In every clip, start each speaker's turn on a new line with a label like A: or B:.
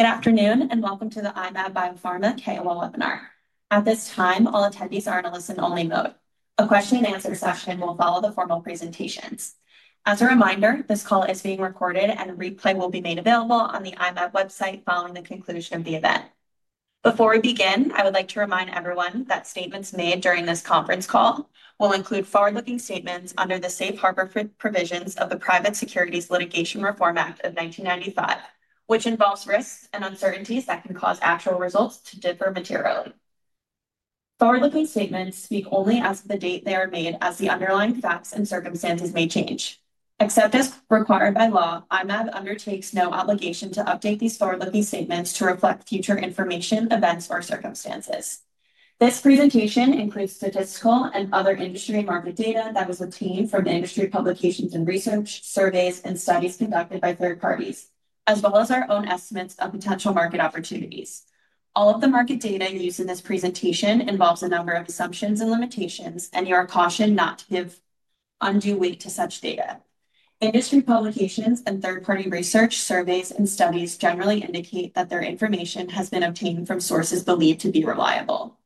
A: Good afternoon and welcome to the I-Mab KOL webinar. At this time, all attendees are in a listen-only mode. A question and answer session will follow the formal presentations. As a reminder, this call is being recorded and a replay will be made available on the I-Mab website following the conclusion of the event. Before we begin, I would like to remind everyone that statements made during this conference call will include forward-looking statements under the safe harbor provisions of the Private Securities Litigation Reform Act of 1995, which involves risks and uncertainties that can cause actual results to differ materially. Forward-looking statements speak only as of the date they are made, as the underlying facts and circumstances may change. Except as required by law, I-Mab undertakes no obligation to update these forward-looking statements to reflect future information, events, or circumstances. This presentation includes statistical and other industry and market data that was obtained from industry publications and research surveys and studies conducted by third parties, as well as our own estimates of potential market opportunities. All of the market data used in this presentation involves a number of assumptions and limitations, and you are cautioned not to give undue weight to such data. Industry publications and third-party research surveys and studies generally indicate that their information has been obtained from sources believed to be reliable.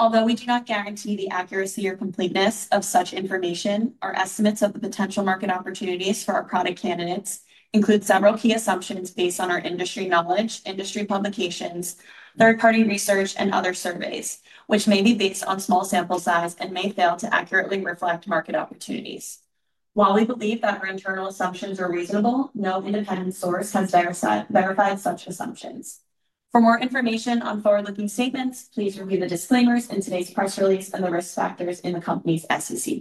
A: Although we do not guarantee the accuracy or completeness of such information, our estimates of the potential market opportunities for our product candidates include several key assumptions based on our industry knowledge, industry publications, third-party research, and other surveys, which may be based on small sample size and may fail to accurately reflect market opportunities. While we believe that our internal assumptions are reasonable, no independent source has verified such assumptions. For more information on forward-looking statements, please review the disclaimers in today's press release and the risk factors in the company's SEC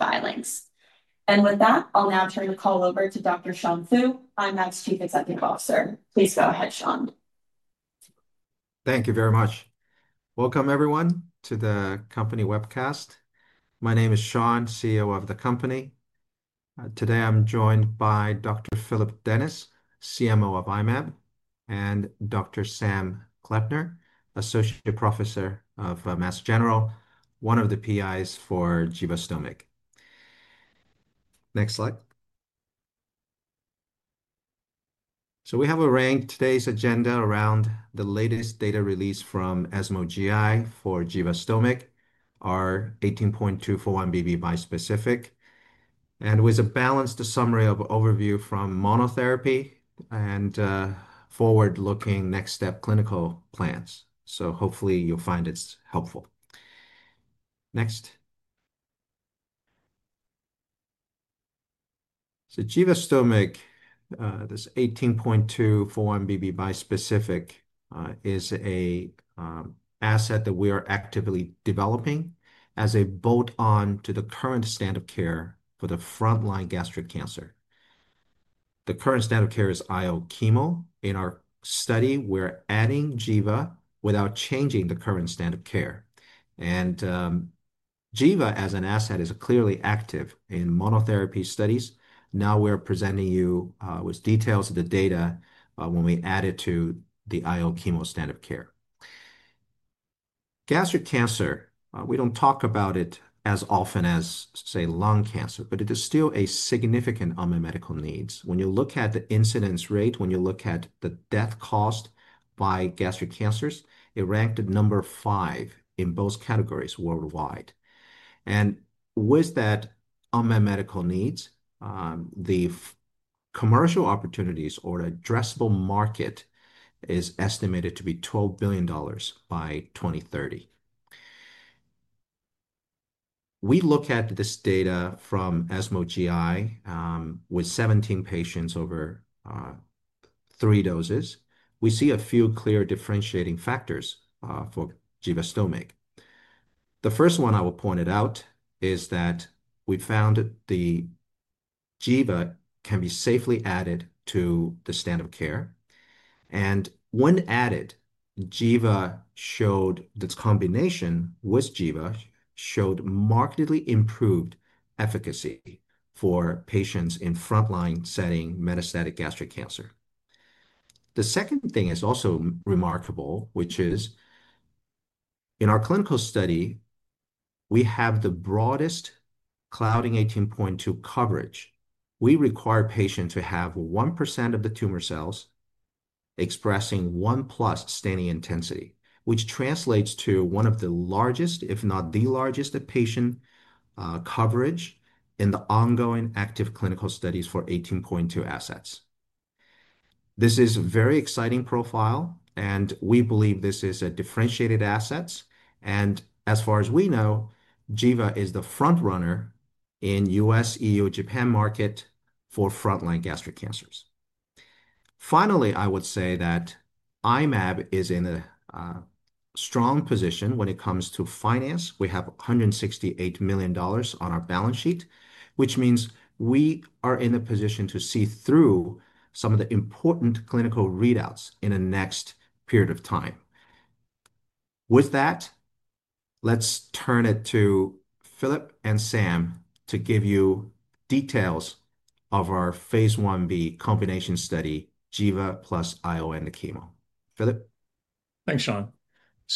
A: fillings. With that, I'll now turn the call over to Dr. Sean Fu, I-Mab's Chief Executive Officer. Please go ahead, Sean.
B: Thank you very much. Welcome, everyone, to the company webcast. My name is Sean, CEO of the company. Today, I'm joined by Dr. Phillip Dennis, CMO of I-Mab, and Dr. Sam Kleppner, Associate Professor of Massachusetts General, one of the PIs for Givastomig. Next slide. We have arranged today's agenda around the latest data release from ESMO GI for Givastomig, our 18.2/4-1BB bispecific, and with a balanced summary of overview from monotherapy and forward-looking next-step clinical plans. Hopefully, you'll find it helpful. Next. Givastomig, this 18.2/4-1BB bispecific, is an asset that we are actively developing as a bolt-on to the current standard of care for the frontline gastric cancer. The current standard of care is IO chemo. In our study, we're adding Giva without changing the current standard of care. Giva, as an asset, is clearly active in monotherapy studies. Now we're presenting you with details of the data when we add it to the IO chemo standard of care. Gastric cancer, we don't talk about it as often as, say, lung cancer, but it is still a significant unmet medical need. When you look at the incidence rate, when you look at the death caused by gastric cancers, it ranked at number five in both categories worldwide. With that unmet medical need, the commercial opportunities or the addressable market is estimated to be $12 billion by 2030. We look at this data from ESMO GI with 17 patients over three doses. We see a few clear differentiating factors for Giva Stomach. The first one I will point out is that we found that the Giva can be safely added to the standard of care. When added, Giva showed that the combination with Giva showed markedly improved efficacy for patients in frontline metastatic gastric cancer. The second thing is also remarkable, which is in our clinical study, we have the broadest claudin 18.2 coverage. We require patients to have 1% of the tumor cells expressing 1+ staining intensity, which translates to one of the largest, if not the largest, patient coverage in the ongoing active clinical studies for 18.2 assets. This is a very exciting profile, and we believe this is a differentiated asset. As far as we know, Giva is the front runner in the U.S., EU, and Japan market for frontline gastric cancers. Finally, I would say that I-Mab is in a strong position when it comes to finance. We have $168 million on our balance sheet, which means we are in a position to see through some of the important clinical readouts in the next period of time. With that, let's turn it to Phillip and Sam to give you details of our phase I-B combination study, Giva plus IO and the chemo. Phillip.
C: Thanks, Sean.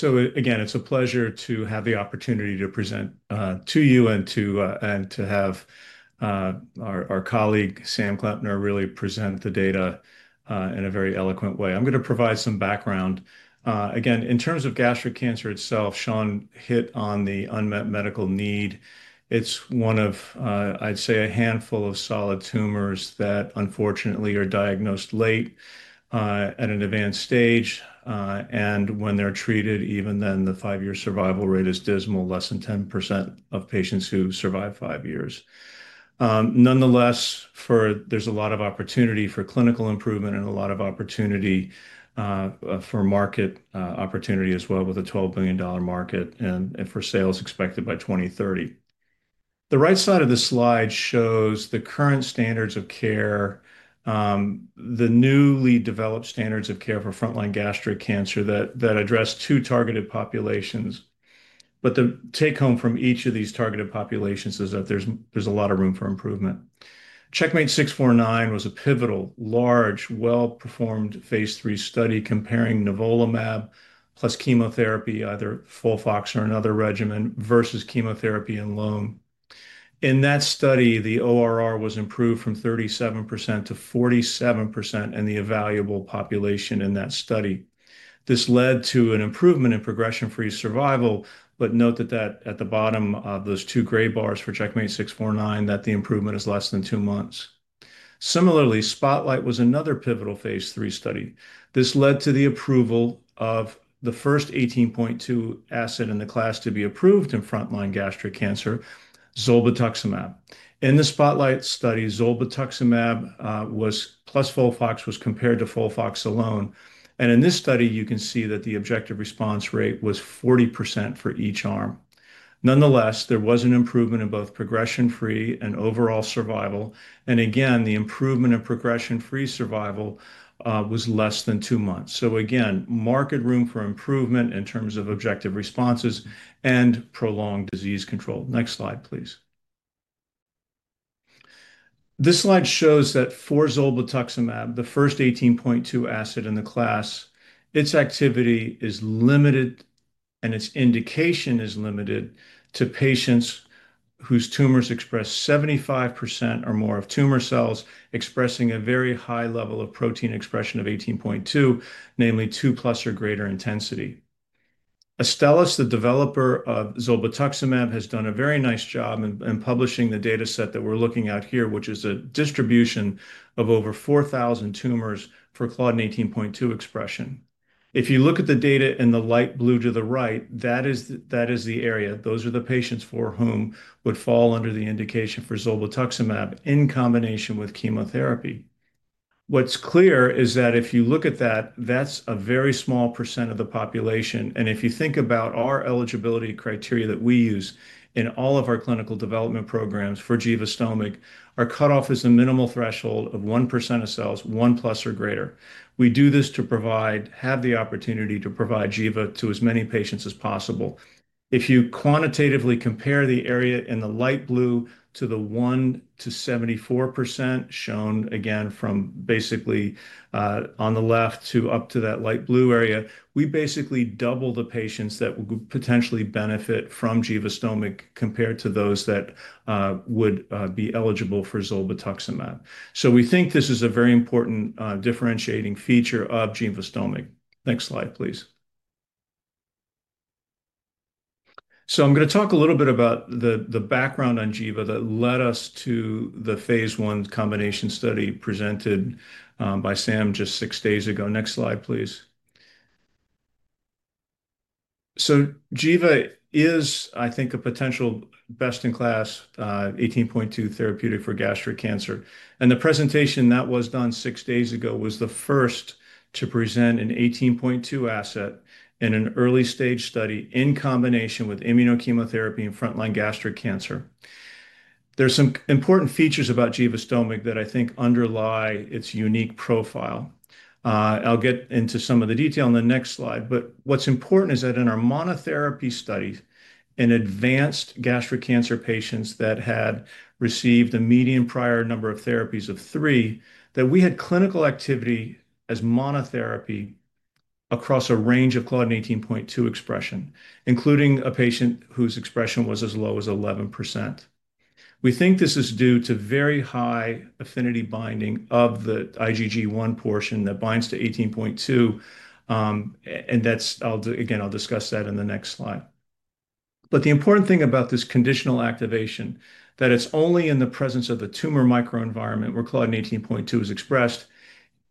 C: Again, it's a pleasure to have the opportunity to present to you and to have our colleague Sam Kleppner really present the data in a very eloquent way. I'm going to provide some background. In terms of gastric cancer itself, Sean hit on the unmet medical need. It's one of, I'd say, a handful of solid tumors that unfortunately are diagnosed late at an advanced stage. When they're treated, even then, the five-year survival rate is dismal, less than 10% of patients who survive five years. Nonetheless, there's a lot of opportunity for clinical improvement and a lot of opportunity for market opportunity as well, with a $12 billion market and for sales expected by 2030. The right side of the slide shows the current standards of care, the newly developed standards of care for frontline gastric cancer that address two targeted populations. The take-home from each of these targeted populations is that there's a lot of room for improvement. CheckMate 649 was a pivotal, large, well-performed phase III study comparing Nivolumab plus chemotherapy, either FOLFOX or another regimen versus chemotherapy alone. In that study, the ORR was improved from 37% to 47% in the evaluable population in that study. This led to an improvement in progression-free survival. Note that at the bottom, those two gray bars for CheckMate 649, the improvement is less than two months. Similarly, Spotlight was another pivotal phase III study. This led to the approval of the first 18.2 asset in the class to be approved in frontline gastric cancer, zolbituximab. In the Spotlight study, zolbituximab plus FOLFOX was compared to FOLFOX alone. In this study, you can see that the objective response rate was 40% for each arm. Nonetheless, there was an improvement in both progression-free and overall survival. Again, the improvement in progression-free survival was less than two months. There is market room for improvement in terms of objective responses and prolonged disease control. Next slide, please. This slide shows that for zolbituximab, the first 18.2 asset in the class, its activity is limited and its indication is limited to patients whose tumors express 75% or more of tumor cells expressing a very high level of protein expression of 18.2, namely 2+ or greater intensity. Astellas, the developer of zolbituximab, has done a very nice job in publishing the data set that we're looking at here, which is a distribution of over 4,000 tumors for claudin 18.2 expression. If you look at the data in the light blue to the right, that is the area. Those are the patients who would fall under the indication for zolbituximab in combination with chemotherapy. What's clear is that if you look at that, that's a very small percent of the population. If you think about our eligibility criteria that we use in all of our clinical development programs for Giva Stomach, our cutoff is a minimal threshold of 1% of cells, 1 plus or greater. We do this to provide, have the opportunity to provide Giva to as many patients as possible. If you quantitatively compare the area in the light blue to the 1%-74% shown again from basically on the left up to that light blue area, we basically double the patients that would potentially benefit from Givastomig compared to those that would be eligible for zolbituximab. We think this is a very important differentiating feature of Givastomig. Next slide, please. I'm going to talk a little bit about the background on Giva that led us to the phase I-B combination study presented by Sam just six days ago. Next slide, please. Giva is, I think, a potential best-in-class 18.2 therapeutic for gastric cancer. The presentation that was done six days ago was the first to present an 18.2 asset in an early-stage study in combination with immunochemotherapy in frontline gastric cancer. There are some important features about Givastomig that I think underlie its unique profile. I'll get into some of the detail in the next slide. What's important is that in our monotherapy studies in advanced gastric cancer patients that had received a median prior number of therapies of three, we had clinical activity as monotherapy across a range of claudin 18.2 expression, including a patient whose expression was as low as 11%. We think this is due to very high affinity binding of the IgG1 portion that binds to 18.2. That's, again, I'll discuss that in the next slide. The important thing about this conditional activation, that it's only in the presence of the tumor microenvironment where claudin 18.2 is expressed,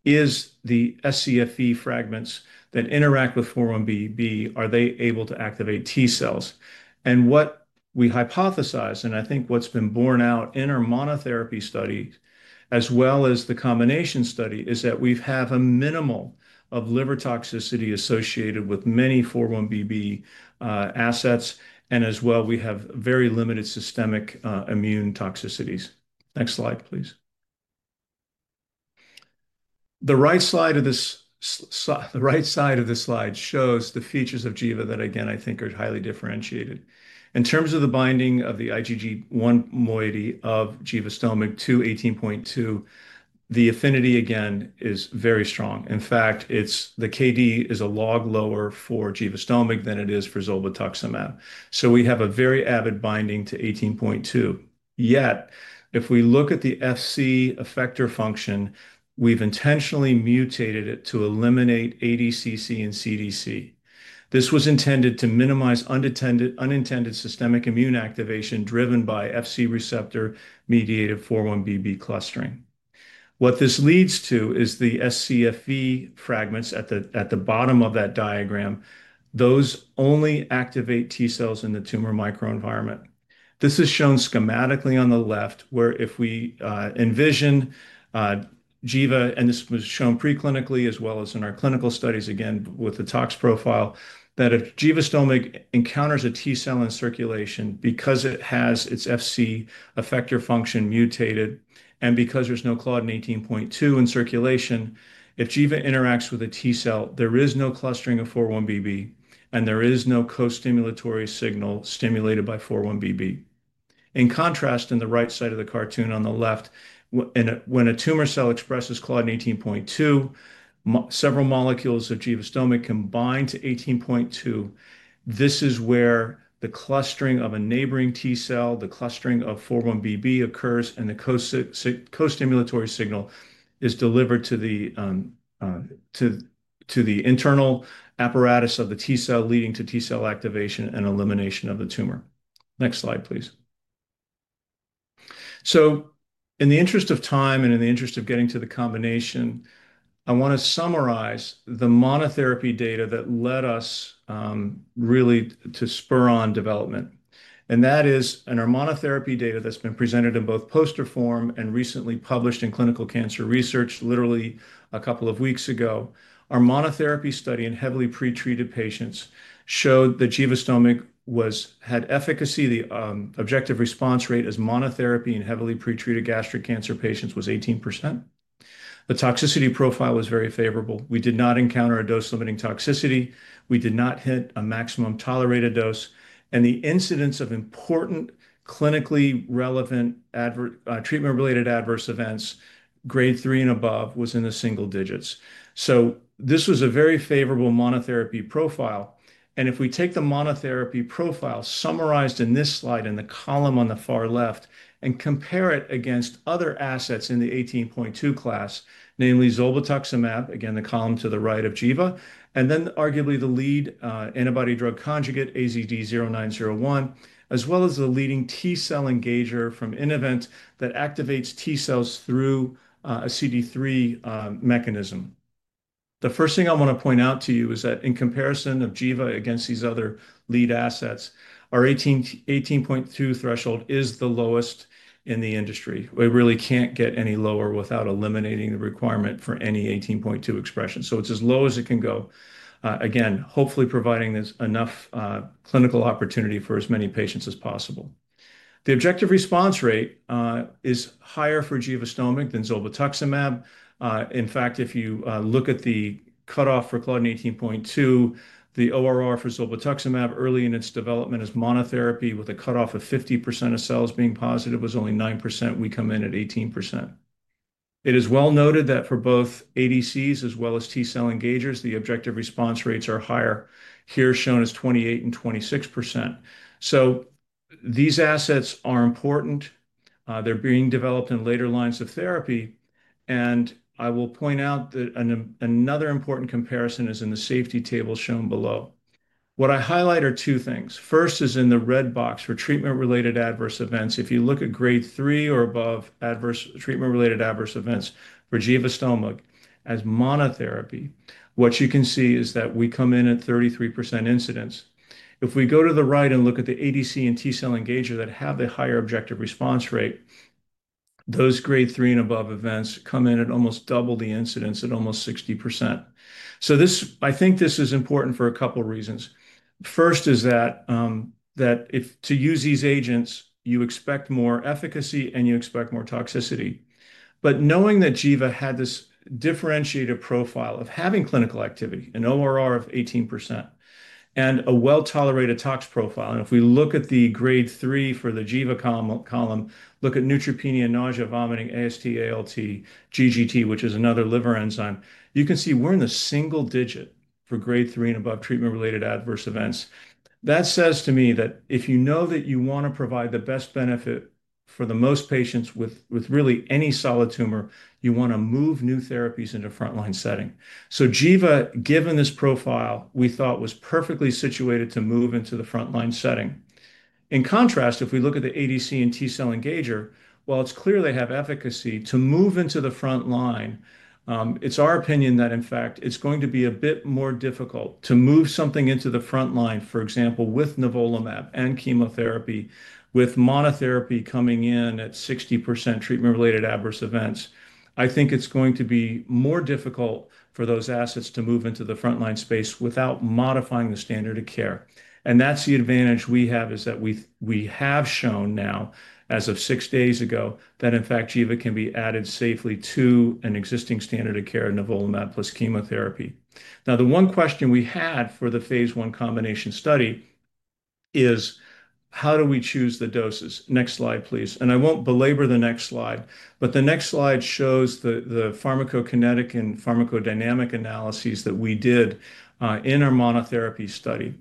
C: is the SCFE fragments that interact with 4-1BB. Are they able to activate T cells? What we hypothesize, and I think what's been borne out in our monotherapy study as well as the combination study, is that we have a minimal of liver toxicity associated with many 4-1BB assets. As well, we have very limited systemic immune toxicities. Next slide, please. The right side of this slide shows the features of Giva that, again, I think are highly differentiated. In terms of the binding of the IgG1 moiety of Givastomig to 18.2, the affinity, again, is very strong. In fact, the KD is a log lower for Givastomig than it is for zolbituximab. We have a very avid binding to 18.2. Yet, if we look at the FC effector function, we've intentionally mutated it to eliminate ADCC and CDC. This was intended to minimize unintended systemic immune activation driven by FC receptor-mediated 4-1BB clustering. What this leads to is the SCFE fragments at the bottom of that diagram. Those only activate T cells in the tumor microenvironment. This is shown schematically on the left, where if we envision Giva, and this was shown preclinically as well as in our clinical studies, again, with the tox profile, that if Givastomig encounters a T cell in circulation because it has its FC effector function mutated and because there's no claudin 18.2 in circulation, if Giva interacts with a T cell, there is no clustering of 4-1BB, and there is no co-stimulatory signal stimulated by 4-1BB. In contrast, in the right side of the cartoon on the left, when a tumor cell expresses Claudin 18.2, several molecules of Givastomig combine to 18.2. This is where the clustering of a neighboring T cell, the clustering of 4-1BB occurs, and the co-stimulatory signal is delivered to the internal apparatus of the T cell, leading to T cell activation and elimination of the tumor. Next slide, please. In the interest of time and in the interest of getting to the combination, I want to summarize the monotherapy data that led us really to spur on development. That is in our monotherapy data that's been presented in both poster form and recently published in Clinical Cancer Research literally a couple of weeks ago. Our monotherapy study in heavily pretreated patients showed that Givastomig had efficacy. The objective response rate as monotherapy in heavily pretreated gastric cancer patients was 18%. The toxicity profile was very favorable. We did not encounter a dose-limiting toxicity. We did not hit a maximum tolerated dose. The incidence of important clinically relevant treatment-related adverse events, grade three and above, was in the single digits. This was a very favorable monotherapy profile. If we take the monotherapy profile summarized in this slide in the column on the far left and compare it against other assets in the 18.2 class, namely zolbituximab, the column to the right of Giva, and arguably the lead antibody drug conjugate, AZD0901, as well as the leading T cell engager from Innovan that activates T cells through a CD3 mechanism, the first thing I want to point out to you is that in comparison of Giva against these other lead assets, our 18.2 threshold is the lowest in the industry. We really can't get any lower without eliminating the requirement for any 18.2 expression. It is as low as it can go, hopefully providing enough clinical opportunity for as many patients as possible. The objective response rate is higher for Givastomig than zolbituximab. In fact, if you look at the cutoff for claudin 18.2, the ORR for zolbituximab early in its development as monotherapy with a cutoff of 50% of cells being positive was only 9%. We come in at 18%. It is well noted that for both ADCs as well as T cell engagers, the objective response rates are higher, here shown as 28% and 26%. These assets are important. They are being developed in later lines of therapy. Another important comparison is in the safety table shown below. What I highlight are two things. First is in the red box for treatment-related adverse events. If you look at grade three or above treatment-related adverse events for Givastomig as monotherapy, what you can see is that we come in at 33% incidence. If we go to the right and look at the ADC and T cell engager that have the higher objective response rate, those grade three and above events come in at almost double the incidence at almost 60%. I think this is important for a couple of reasons. First is that to use these agents, you expect more efficacy and you expect more toxicity. Knowing that Giva had this differentiated profile of having clinical activity, an ORR of 18%, and a well-tolerated tox profile, if we look at the grade three for the Giva column, look at neutropenia, nausea, vomiting, AST, ALT, GGT, which is another liver enzyme, you can see we're in the single digit for grade three and above treatment-related adverse events. That says to me that if you know that you want to provide the best benefit for the most patients with really any solid tumor, you want to move new therapies into the frontline setting. Giva, given this profile, we thought was perfectly situated to move into the frontline setting. In contrast, if we look at the ADC and T cell engager, while it's clear they have efficacy to move into the frontline, it's our opinion that, in fact, it's going to be a bit more difficult to move something into the frontline, for example, with Nivolumab and chemotherapy, with monotherapy coming in at 60% treatment-related adverse events. I think it's going to be more difficult for those assets to move into the frontline space without modifying the standard of care. The advantage we have is that we have shown now, as of six days ago, that, in fact, Giva can be added safely to an existing standard of care, Nivolumab plus chemotherapy. The one question we had for the phase I-B combination study is how do we choose the doses? Next slide, please. I won't belabor the next slide, but the next slide shows the pharmacokinetic and pharmacodynamic analyses that we did in our monotherapy study.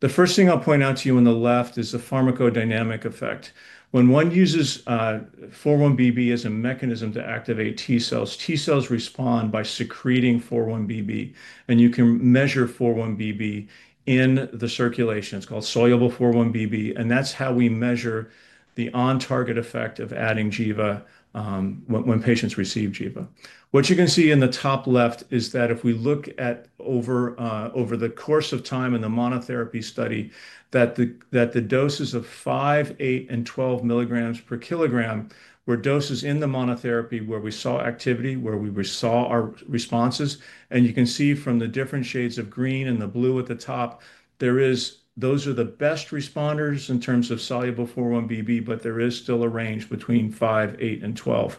C: The first thing I'll point out to you on the left is the pharmacodynamic effect. When one uses 4-1BB as a mechanism to activate T cells, T cells respond by secreting 4-1BB, and you can measure 4-1BB in the circulation. It's called soluble 4-1BB. That's how we measure the on-target effect of adding Giva when patients receive Giva. What you can see in the top left is that if we look at over the course of time in the monotherapy study, the doses of 5, 8, and 12 milligrams per kilogram were doses in the monotherapy where we saw activity, where we saw our responses. You can see from the different shades of green and the blue at the top, those are the best responders in terms of soluble 4-1BB, but there is still a range between 5 mg, 8 mg, and 12 mg.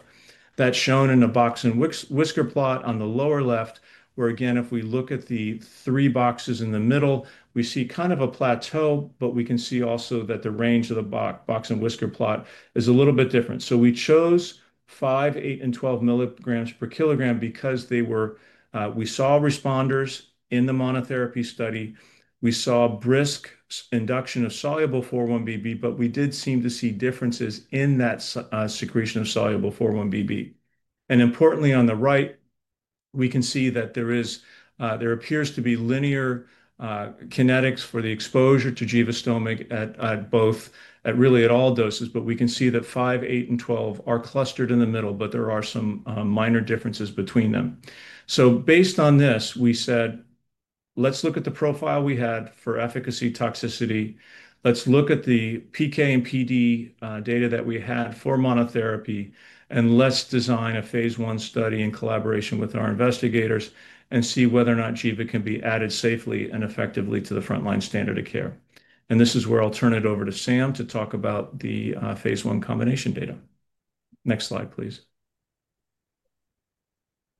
C: That's shown in a box and whisker plot on the lower left, where again, if we look at the three boxes in the middle, we see kind of a plateau, but we can see also that the range of the box and whisker plot is a little bit different. We chose 5 mg, 8 mg, and 12 mg per kilogram because we saw responders in the monotherapy study. We saw brisk induction of soluble 4-1BB, but we did seem to see differences in that secretion of soluble 4-1BB. Importantly, on the right, we can see that there appears to be linear kinetics for the exposure to Givastomig at really all doses. We can see that 5, 8, and 12 are clustered in the middle, but there are some minor differences between them. Based on this, we said, let's look at the profile we had for efficacy, toxicity. Let's look at the PK and PD data that we had for monotherapy, and let's design a phase I-B study in collaboration with our investigators and see whether or not Giva can be added safely and effectively to the frontline standard of care. This is where I'll turn it over to Sam to talk about the phase I-B combination data. Next slide, please.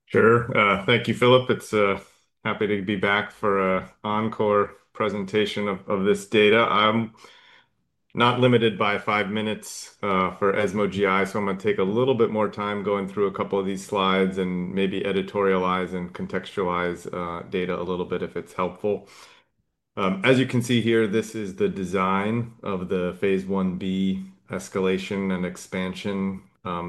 D: Sure. Thank you, Phillip. It's happy to be back for an encore presentation of this data. I'm not limited by five minutes for ESMO GI, so I'm going to take a little bit more time going through a couple of these slides and maybe editorialize and contextualize data a little bit if it's helpful. As you can see here, this is the design of the phase I-B escalation and expansion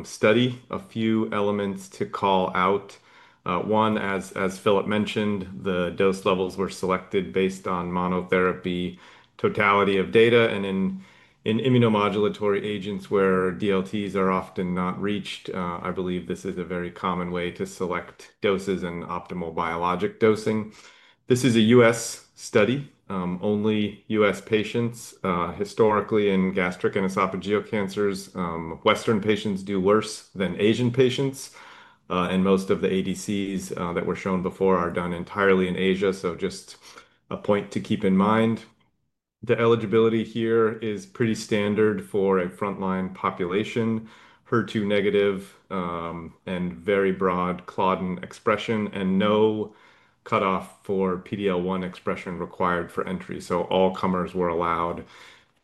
D: study. A few elements to call out. One, as Phillip mentioned, the dose levels were selected based on monotherapy totality of data. In immunomodulatory agents where DLTs are often not reached, I believe this is a very common way to select doses and optimal biologic dosing. This is a U.S. study. Only U.S. patients. Historically in gastric and esophageal cancers, Western patients do worse than Asian patients. Most of the ADCs that were shown before are done entirely in Asia. Just a point to keep in mind. The eligibility here is pretty standard for a frontline population, HER2 negative, and very broad claudin expression, and no cutoff for PD-L1 expression required for entry. All comers were allowed,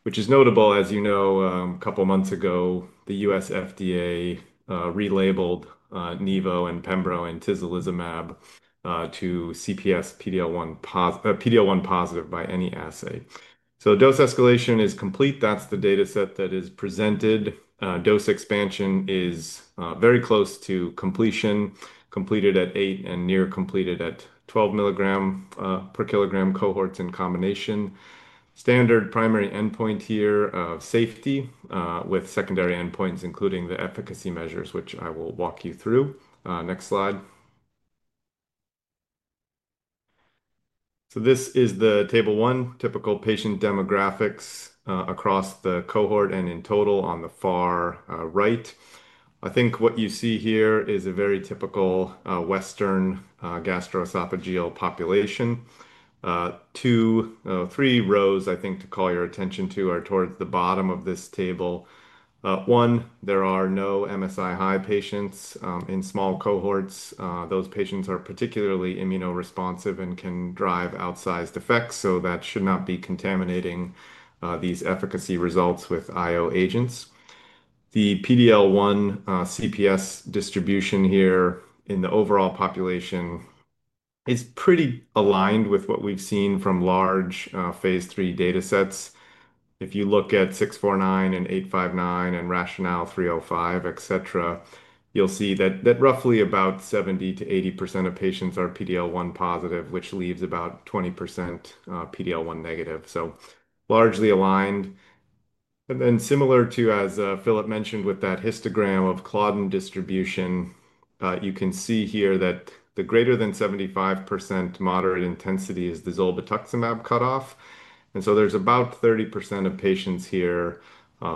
D: which is notable. As you know, a couple of months ago, the U.S. FDA relabeled Nevo and Pembrol and Tizolizumab to CPS PD-L1 positive by any assay. Dose escalation is complete. That's the data set that is presented. Dose expansion is very close to completion, completed at 8 mg and near completed at 12 milligram per kilogram cohorts in combination. Standard primary endpoint here of safety with secondary endpoints, including the efficacy measures, which I will walk you through. Next slide. This is the table one, typical patient demographics across the cohort and in total on the far right. I think what you see here is a very typical Western gastroesophageal population. Three rows, I think, to call your attention to are towards the bottom of this table. One, there are no MSI high patients in small cohorts. Those patients are particularly immunoresponsive and can drive outsized effects. That should not be contaminating these efficacy results with IO agents. The PD-L1 CPS distribution here in the overall population is pretty aligned with what we've seen from large phase III data sets. If you look at 649 and 859 and RATIONALE-305, etc., you'll see that roughly about 70%-80% of patients are PD-L1 positive, which leaves about 20% PD-L1 negative. Largely aligned. Similar to, as Phillip mentioned, with that histogram of claudin distribution, you can see here that the greater than 75% moderate intensity is the zolbituximab cutoff. There is about 30% of patients here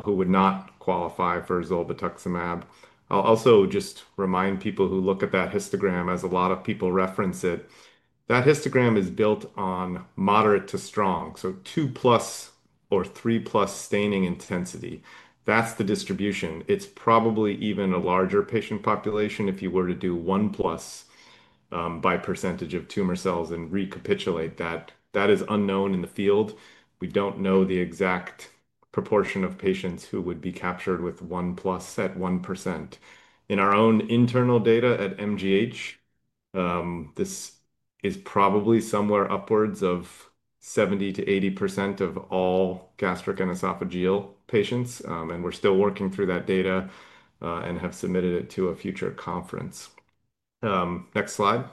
D: who would not qualify for zolbituximab. I'll also just remind people who look at that histogram, as a lot of people reference it, that histogram is built on moderate to strong, so 2+ or 3+ staining intensity. That's the distribution. It's probably even a larger patient population if you were to do 1+ by percentage of tumor cells and recapitulate that. That is unknown in the field. We don't know the exact proportion of patients who would be captured with 1+ at 1%. In our own internal data at Massachusetts General Hospital, this is probably somewhere upwards of 70%-80% of all gastric and esophageal patients. We're still working through that data and have submitted it to a future conference. Next slide.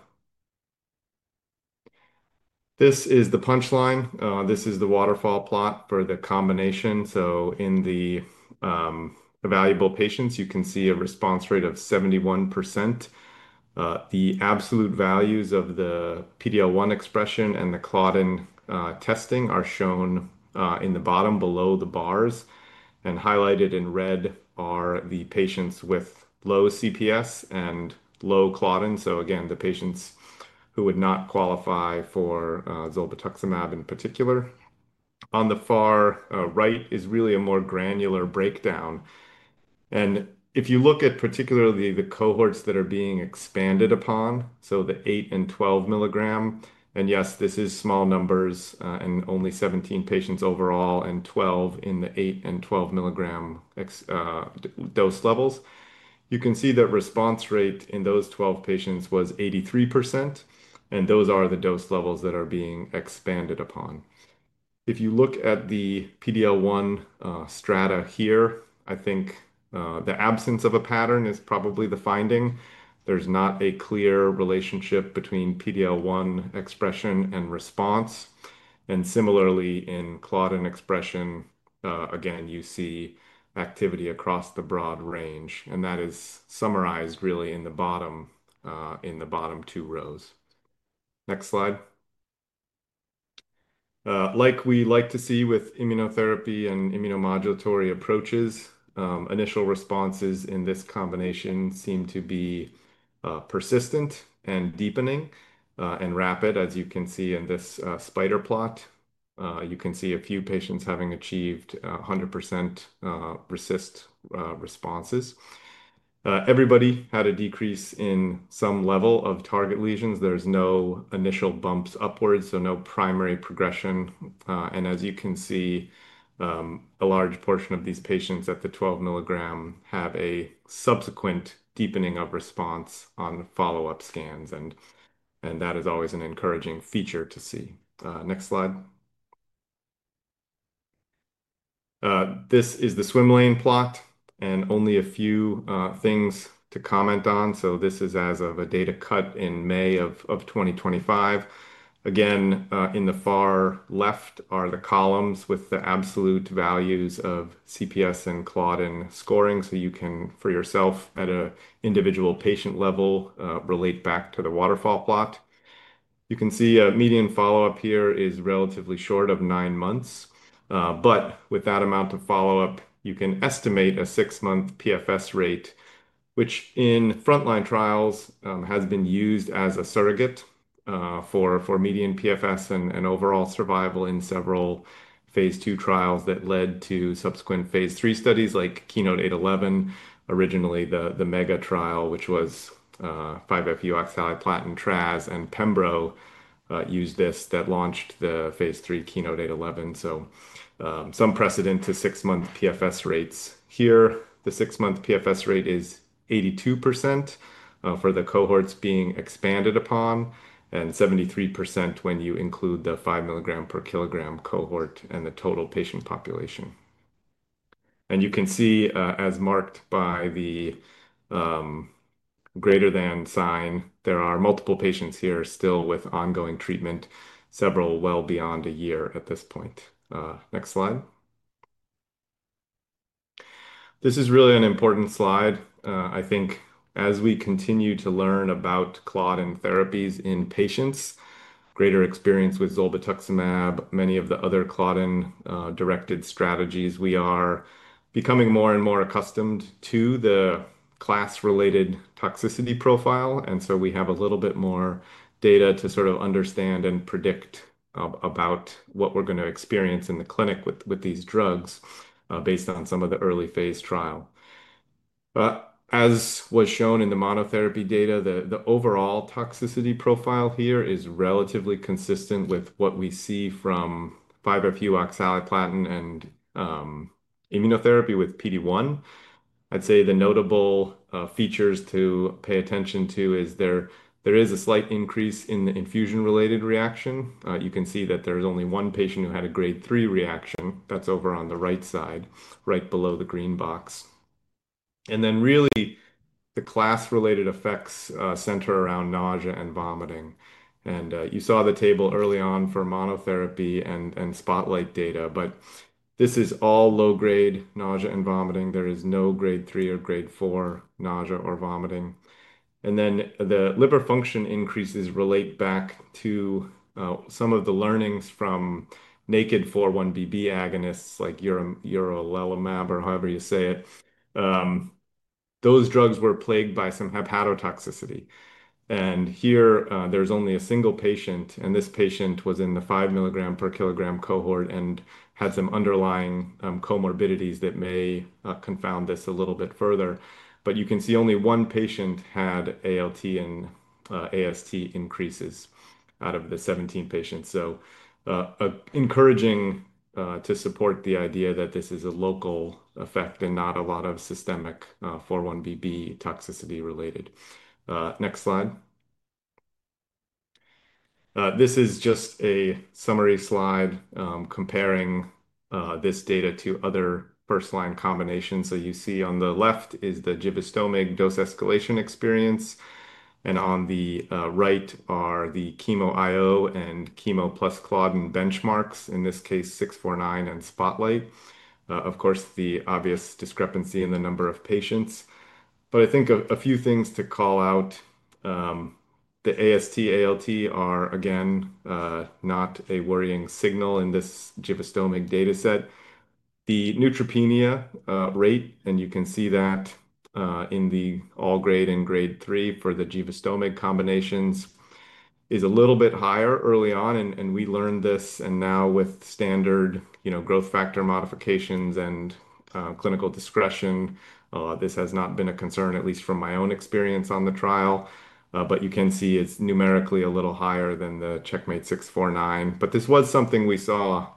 D: This is the punchline. This is the waterfall plot for the combination. In the evaluable patients, you can see a response rate of 71%. The absolute values of the PD-L1 expression and the claudin testing are shown in the bottom below the bars. Highlighted in red are the patients with low CPS and low claudin. Again, the patients who would not qualify for zolbituximab in particular. On the far right is really a more granular breakdown. If you look at particularly the cohorts that are being expanded upon, so the 8 mg and 12 mg, and yes, this is small numbers and only 17 patients overall and 12 in the 8 mg and 12 mg dose levels, you can see that response rate in those 12 patients was 83%. Those are the dose levels that are being expanded upon. If you look at the PD-L1 strata here, I think the absence of a pattern is probably the finding. There's not a clear relationship between PD-L1 expression and response. Similarly, in claudin expression, again, you see activity across the broad range. That is summarized really in the bottom two rows. Next slide. Like we like to see with immunotherapy and immunomodulatory approaches, initial responses in this combination seem to be persistent and deepening and rapid, as you can see in this spider plot. You can see a few patients having achieved 100% RECIST responses. Everybody had a decrease in some level of target lesions. There's no initial bumps upwards, so no primary progression. As you can see, a large portion of these patients at the 12 mg have a subsequent deepening of response on follow-up scans. That is always an encouraging feature to see. Next slide. This is the swim lane plot and only a few things to comment on. This is as of a data cut in May of 2025. In the far left are the columns with the absolute values of CPS and claudin scoring. You can, for yourself, at an individual patient level, relate back to the waterfall plot. You can see a median follow-up here is relatively short of nine months. With that amount of follow-up, you can estimate a six-month PFS rate, which in frontline trials has been used as a surrogate for median PFS and overall survival in several randomized phase II trials that led to subsequent phase III studies like KEYNOTE-811, originally the Mega trial, which was 5-FU oxaliplatin, TRAS, and pembrolizumab used this that launched the phase III KEYNOTE-811. There is some precedent to six-month PFS rates here. The six-month PFS rate is 82% for the cohorts being expanded upon and 73% when you include the 5 mg per kilogram cohort and the total patient population. As marked by the greater than sign, there are multiple patients here still with ongoing treatment, several well beyond a year at this point. Next slide. This is really an important slide. I think as we continue to learn about claudin therapies in patients, greater experience with zolbituximab, many of the other claudin-directed strategies, we are becoming more and more accustomed to the class-related toxicity profile. We have a little bit more data to sort of understand and predict about what we're going to experience in the clinic with these drugs based on some of the early phase trial. As was shown in the monotherapy data, the overall toxicity profile here is relatively consistent with what we see from 5-FU oxaliplatin and immunotherapy with PD-1. I'd say the notable features to pay attention to is there is a slight increase in the infusion-related reaction. You can see that there's only one patient who had a grade 3 reaction. That's over on the right side, right below the green box. The class-related effects center around nausea and vomiting. You saw the table early on for monotherapy and SPOTLIGHT data, but this is all low-grade nausea and vomiting. There is no grade 3 or grade 4 nausea or vomiting. The liver function increases relate back to some of the learnings from naked 4-1BB agonists like Urelumab or however you say it. Those drugs were plagued by some hepatotoxicity. Here, there's only a single patient, and this patient was in the 5 milligram per kilogram cohort and had some underlying comorbidities that may confound this a little bit further. You can see only one patient had ALT and AST increases out of the 17 patients. It is encouraging to support the idea that this is a local effect and not a lot of systemic 4-1BB toxicity related. Next slide. This is just a summary slide comparing this data to other first-line combinations. You see on the left is the Givastomig dose escalation experience. On the right are the chemo IO and chemo plus claudin benchmarks, in this case, 649 and SPOTLIGHT. The obvious discrepancy is in the number of patients. I think a few things to call out. The AST/ALT are, again, not a worrying signal in this Givastomig data set. The neutropenia rate, and you can see that in the all grade and grade three for the Givastomig combinations, is a little bit higher early on. We learned this, and now with standard growth factor modifications and clinical discretion, this has not been a concern, at least from my own experience on the trial. You can see it's numerically a little higher than the CheckMate 649. This was something we saw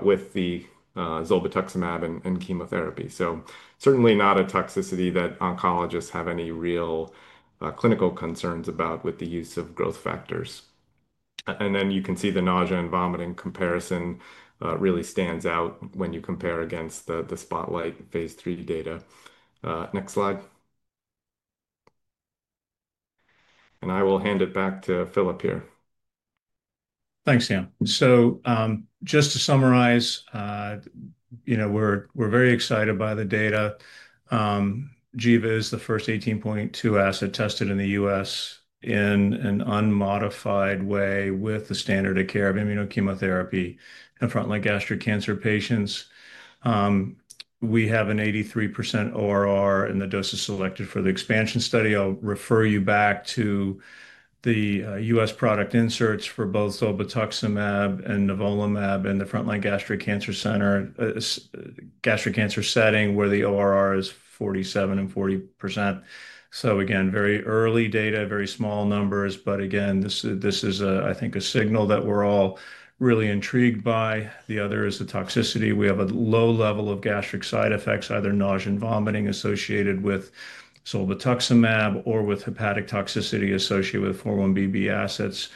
D: with the zolbituximab and chemotherapy. It is certainly not a toxicity that oncologists have any real clinical concerns about with the use of growth factors. You can see the nausea and vomiting comparison really stands out when you compare against the SPOTLIGHT phase III data. Next slide. I will hand it back to Phillip here.
C: Thanks, Sam. Just to summarize, we're very excited by the data. Giva is the first 18.2 asset tested in the U.S. in an unmodified way with the standard of care of immunochemotherapy in frontline gastric cancer patients. We have an 83% ORR in the doses selected for the expansion study. I'll refer you back to the U.S. product inserts for both zolbituximab and Nivolumab in the frontline gastric cancer setting where the ORR is 47% and 40%. Very early data, very small numbers. This is, I think, a signal that we're all really intrigued by. The other is the toxicity. We have a low level of gastric side effects, either nausea and vomiting associated with zolbituximab or with hepatic toxicity associated with 4-1BB assets.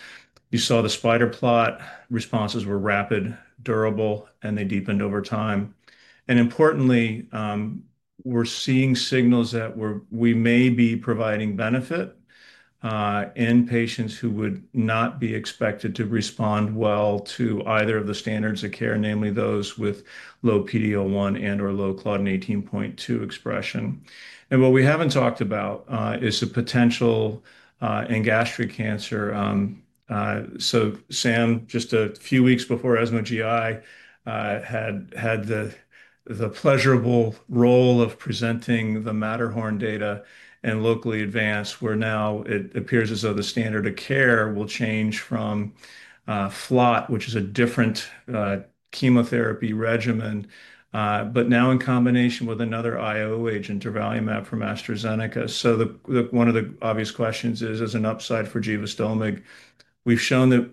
C: You saw the spider plot. Responses were rapid, durable, and they deepened over time. Importantly, we're seeing signals that we may be providing benefit in patients who would not be expected to respond well to either of the standards of care, namely those with low PD-L1 and/or low claudin 18.2 expression. What we haven't talked about is the potential in gastric cancer. Sam, just a few weeks before ESMO GI, had the pleasurable role of presenting the Matterhorn data in locally advanced, where now it appears as though the standard of care will change from FLOT, which is a different chemotherapy regimen, but now in combination with another IO agent, durvalumab from AstraZeneca. One of the obvious questions is, is there an upside for Givastomig? We've shown that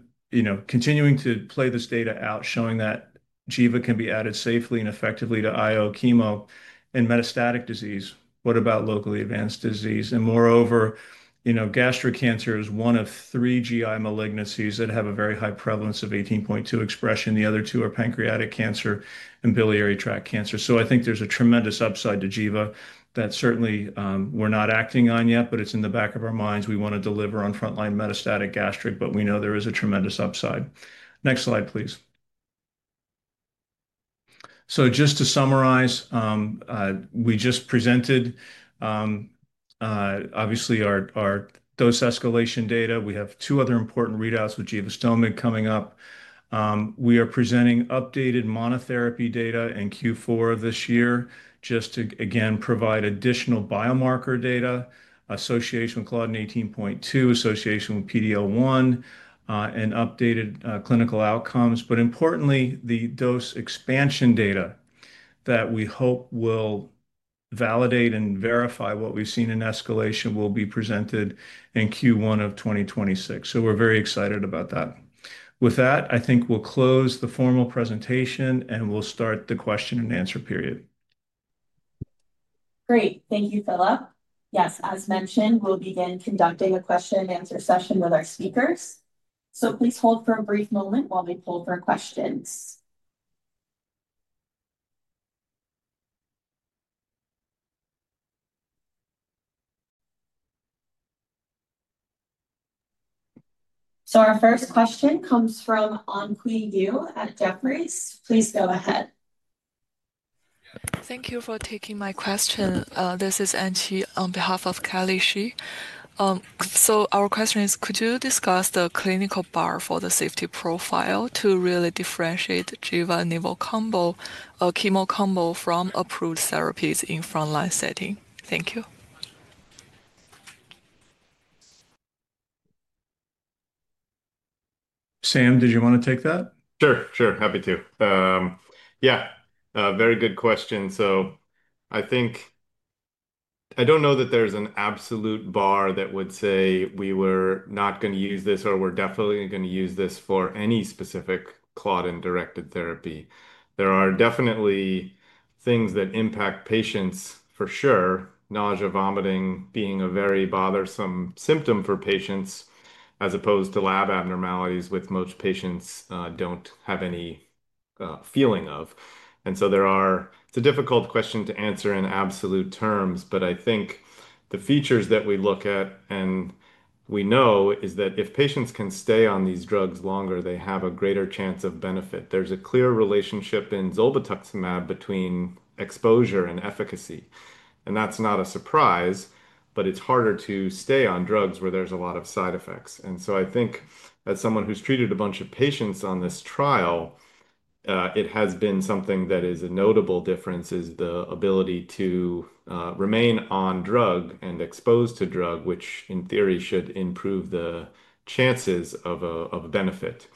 C: continuing to play this data out, showing that Giva can be added safely and effectively to IO chemo in metastatic disease. What about locally advanced disease? Moreover, gastric cancer is one of three GI malignancies that have a very high prevalence of 18.2 expression. The other two are pancreatic cancer and biliary tract cancer. I think there's a tremendous upside to Giva that certainly we're not acting on yet, but it's in the back of our minds. We want to deliver on frontline metastatic gastric, but we know there is a tremendous upside. Next slide, please. Just to summarize, we just presented, obviously, our dose escalation data. We have two other important readouts with Givastomig coming up. We are presenting updated monotherapy data in Q4 of this year just to, again, provide additional biomarker data, association with claudin 18.2, association with PD-L1, and updated clinical outcomes. Importantly, the dose expansion data that we hope will validate and verify what we've seen in escalation will be presented in Q1 of 2026. We're very excited about that. With that, I think we'll close the formal presentation and we'll start the question and answer period.
A: Great. Thank you, Phillip. Yes, as mentioned, we'll begin conducting a question and answer session with our speakers. Please hold for a brief moment while we pull for questions. Our first question comes from Anpui Yu at Jefferies. Please go ahead. Thank you for taking my question. This is Anpui on behalf of Kalishi. Our question is, could you discuss the clinical bar for the safety profile to really differentiate Givastomig/nivolumab combo or chemo combo from approved therapies in the frontline setting? Thank you.
C: Sam, did you want to take that?
D: Sure, sure. Happy to. Yeah, very good question. I don't know that there's an absolute bar that would say we were not going to use this or we're definitely going to use this for any specific claudin-directed therapy. There are definitely things that impact patients for sure, nausea, vomiting being a very bothersome symptom for patients as opposed to lab abnormalities which most patients don't have any feeling of. It's a difficult question to answer in absolute terms, but I think the features that we look at and we know is that if patients can stay on these drugs longer, they have a greater chance of benefit. There's a clear relationship in zolbituximab between exposure and efficacy. That's not a surprise, but it's harder to stay on drugs where there's a lot of side effects. I think as someone who's treated a bunch of patients on this trial, it has been something that is a notable difference, the ability to remain on drug and exposed to drug, which in theory should improve the chances of a benefit.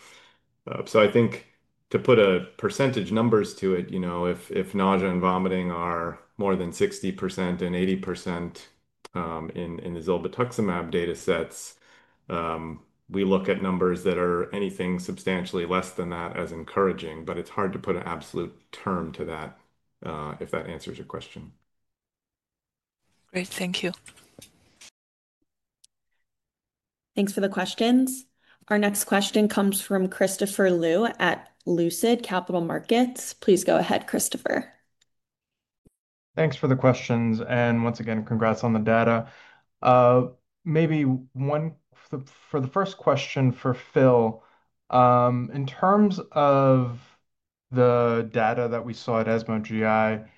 D: To put percentage numbers to it, you know if nausea and vomiting are more than 60% and 80% in the zolbituximab data sets, we look at numbers that are anything substantially less than that as encouraging, but it's hard to put an absolute term to that if that answers your question. Great. Thank you.
A: Thanks for the questions. Our next question comes from Christopher Liu at Lucid Capital Markets. Please go ahead, Christopher.
E: Thanks for the questions. Once again, congrats on the data. Maybe one for the first question for Phil. In terms of the data that we saw at ESMO GI,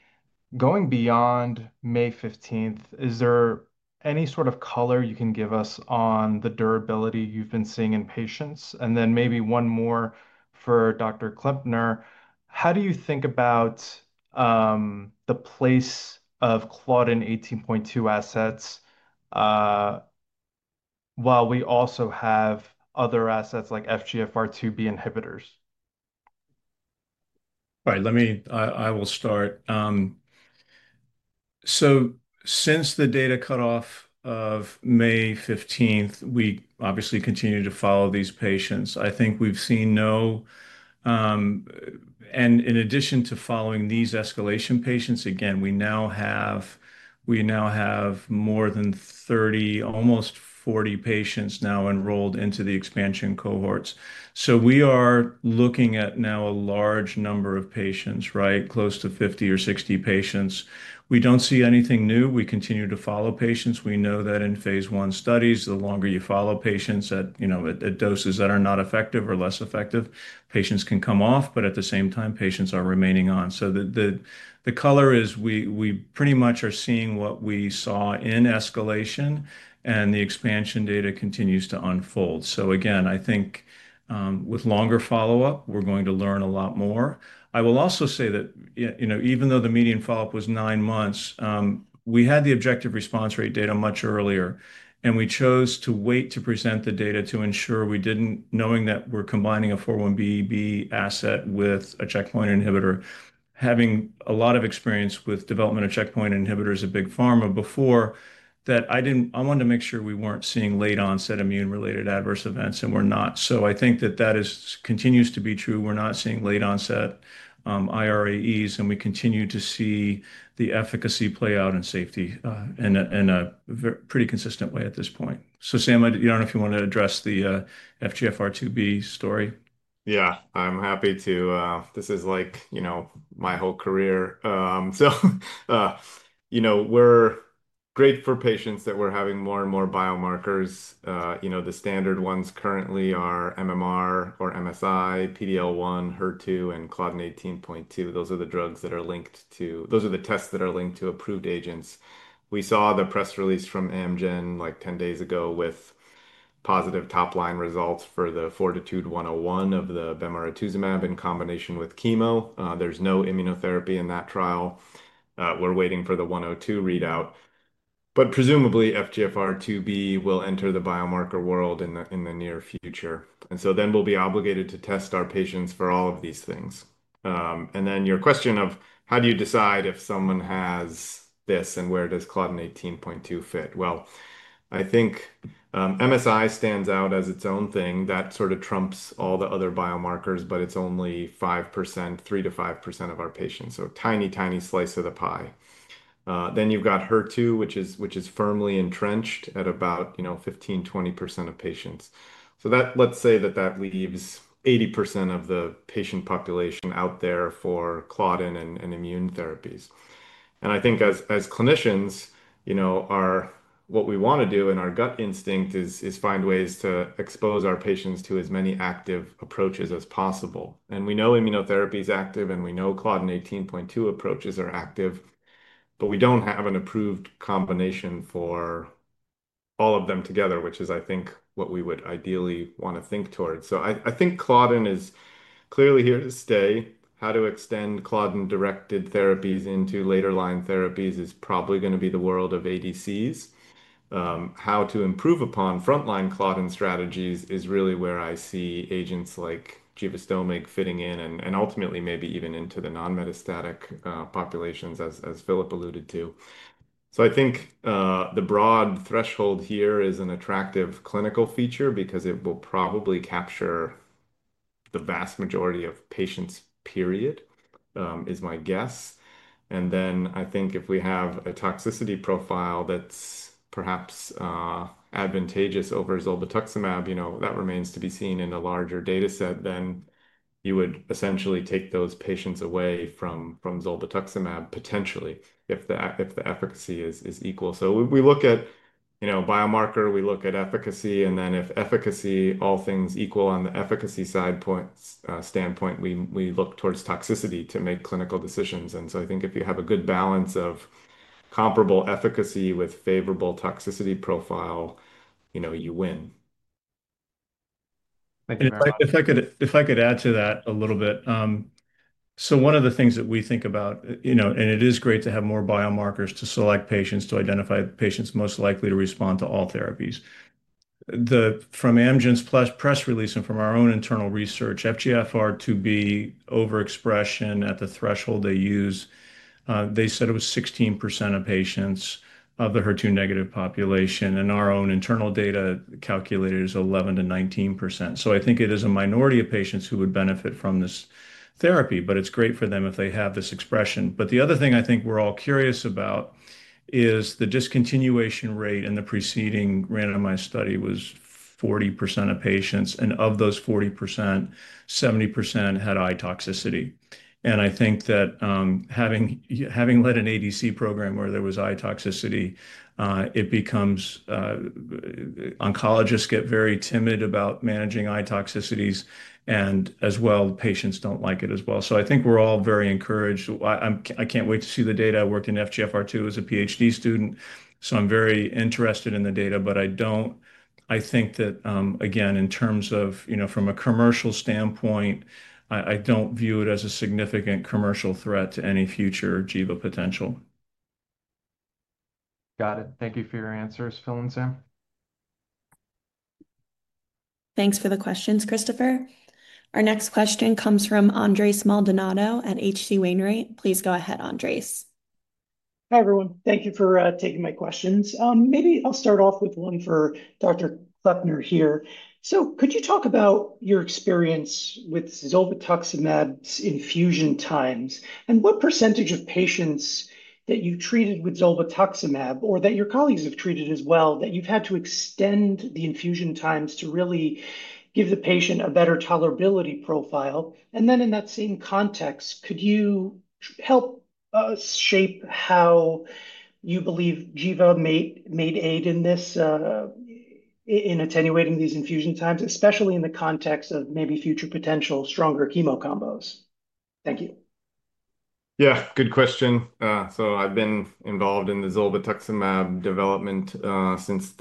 E: going beyond May 15, is there any sort of color you can give us on the durability you've been seeing in patients? Maybe one more for Dr. Kleppner. How do you think about the place of claudin 18.2 assets while we also have other assets like FGFR2b inhibitors?
C: All right. I will start. Since the data cutoff of May 15, we obviously continue to follow these patients. I think we've seen no, and in addition to following these escalation patients, again, we now have more than 30, almost 40 patients now enrolled into the expansion cohorts. We are looking at now a large number of patients, right, close to 50 or 60 patients. We don't see anything new. We continue to follow patients. We know that in phase I-B studies, the longer you follow patients at doses that are not effective or less effective, patients can come off, but at the same time, patients are remaining on. The color is we pretty much are seeing what we saw in escalation, and the expansion data continues to unfold. I think with longer follow-up, we're going to learn a lot more. I will also say that even though the median follow-up was nine months, we had the objective response rate data much earlier, and we chose to wait to present the data to ensure we didn't, knowing that we're combining a 4-1BB asset with a checkpoint inhibitor, having a lot of experience with development of checkpoint inhibitors at Big Pharma before, that I wanted to make sure we weren't seeing late-onset immune-related adverse events, and we're not. I think that that continues to be true. We're not seeing late-onset irAEs, and we continue to see the efficacy play out in safety in a pretty consistent way at this point. Sam, I don't know if you want to address the FGFR2b story.
D: Yeah, I'm happy to. This is like my whole career. We're great for patients that we're having more and more biomarkers. The standard ones currently are MMR or MSI, PD-L1, HER2, and claudin 18.2. Those are the tests that are linked to approved agents. We saw the press release from Amgen like 10 days ago with positive top-line results for the FORTITUDE-101 of the bemarituzumab in combination with chemo. There's no immunotherapy in that trial. We're waiting for the 102 readout. Presumably, FGFR2b will enter the biomarker world in the near future. Then we'll be obligated to test our patients for all of these things. Your question of how do you decide if someone has this and where does claudin 18.2 fit? I think MSI stands out as its own thing that sort of trumps all the other biomarkers, but it's only 3%-5% of our patients. Tiny, tiny slice of the pie. You've got HER2, which is firmly entrenched at about 15%-20% of patients. Let's say that leaves 80% of the patient population out there for claudin and immune therapies. As clinicians, you know what we want to do and our gut instinct is find ways to expose our patients to as many active approaches as possible. We know immunotherapy is active, and we know claudin 18.2 approaches are active, but we don't have an approved combination for all of them together, which is what we would ideally want to think towards. I think claudin is clearly here to stay. How to extend claudin-directed therapies into later line therapies is probably going to be the world of ADCs. How to improve upon frontline claudin strategies is really where I see agents like Givastomig fitting in and ultimately maybe even into the non-metastatic populations, as Phillip alluded to. I think the broad threshold here is an attractive clinical feature because it will probably capture the vast majority of patients, period, is my guess. If we have a toxicity profile that's perhaps advantageous over zolbituximab, that remains to be seen in a larger data set, then you would essentially take those patients away from zolbituximab potentially if the efficacy is equal. We look at biomarker, we look at efficacy, and if all things are equal on the efficacy side, we look towards toxicity to make clinical decisions. I think if you have a good balance of comparable efficacy with favorable toxicity profile, you win.
C: If I could add to that a little bit, one of the things that we think about, and it is great to have more biomarkers to select patients to identify patients most likely to respond to all therapies. From Amgen's press release and from our own internal research, FGFR2B overexpression at the threshold they use, they said it was 16% of patients of the HER2 negative population. Our own internal data calculated is 11%-19%. I think it is a minority of patients who would benefit from this therapy, but it's great for them if they have this expression. The other thing I think we're all curious about is the discontinuation rate in the preceding randomized study was 40% of patients. Of those 40%, 70% had eye toxicity. Having led an ADC program where there was eye toxicity, it becomes oncologists get very timid about managing eye toxicities. Patients don't like it as well. I think we're all very encouraged. I can't wait to see the data. I worked in FGFR2 as a PhD student. I'm very interested in the data, but I think that, again, in terms of from a commercial standpoint, I don't view it as a significant commercial threat to any future Giva potential.
E: Got it. Thank you for your answers, Phil and Sam.
A: Thanks for the questions, Christopher. Our next question comes from Andres Maldonado at H.C. Wainwright. Please go ahead, Andres.
F: Hi, everyone. Thank you for taking my questions. Maybe I'll start off with one for Dr. Kleppner here. Could you talk about your experience with zolbituximab infusion times? What percentage of patients that you've treated with zolbituximab or that your colleagues have treated as well, that you've had to extend the infusion times to really give the patient a better tolerability profile? In that same context, could you help us shape how you believe Giva may aid in attenuating these infusion times, especially in the context of maybe future potential stronger chemo combos?
D: Yeah, good question. I've been involved in the zolbituximab development since